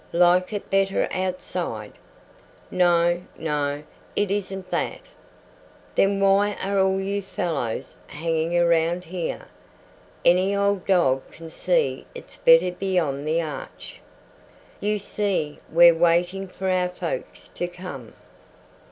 "Like it better outside?" "No, no; it isn't that." "Then why are all you fellows hanging around here? Any old dog can see it's better beyond the arch." "You see, we're waiting for our folks to come."